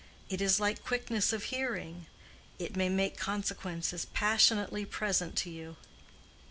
It is like quickness of hearing. It may make consequences passionately present to you."